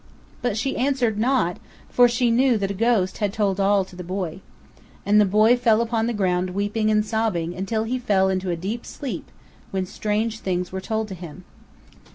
But she answered not, for she knew that a ghost had told all to the boy. And the boy fell upon the ground weeping and sobbing, until he fell into a deep sleep, when strange things were told him.